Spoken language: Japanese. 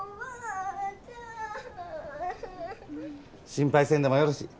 心配せんでもよろし。